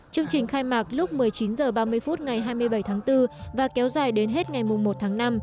chương trình khai mạc lúc một mươi chín h ba mươi phút ngày hai mươi bảy tháng bốn và kéo dài đến hết ngày một tháng năm